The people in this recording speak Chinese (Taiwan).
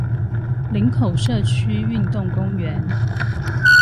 林口社區運動公園